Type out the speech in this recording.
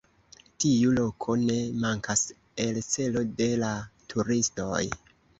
Tiu loko ne mankas el celo de la turistoj.